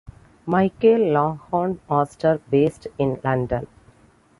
Michael Langhorne Astor, based in London.